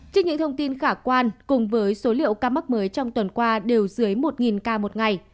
trước những thông tin khả quan cùng với số liệu ca mắc mới trong tuần qua đều dưới một ca một ngày